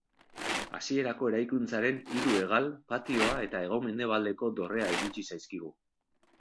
Hasierako eraikuntzaren hiru hegal, patioa eta hego-mendebaldeko dorrea iritsi zaizkigu.